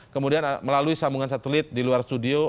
kemudian melalui sambungan satelit di luar studio